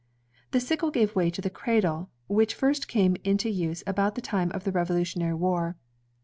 The sickle gave way to the cradle, which first came into use about the time of the Revolutionary War.